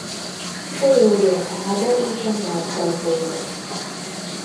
Folyói a Rába és a Marcal folyó.